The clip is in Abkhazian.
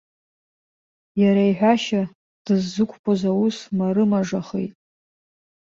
Иара иҳәашьа, дыззықәԥоз аус марымажахеит.